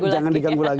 jangan diganggu lagi